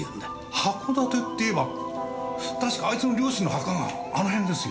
函館っていえば確かあいつの両親の墓があの辺ですよ。